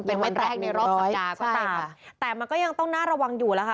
เป็นวันแรกในรอบสัปดาห์ก็ตามแต่มันก็ยังต้องน่าระวังอยู่แล้วค่ะ